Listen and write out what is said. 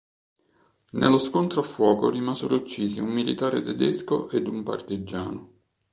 Nello scontro a fuoco rimasero uccisi un militare tedesco ed un partigiano.